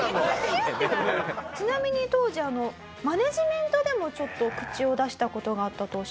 ちなみに当時マネジメントでもちょっと口を出した事があったと。